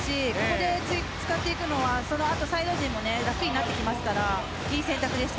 ここで使っていくのはこの後のサイド陣も楽になってくるのでいい選択です。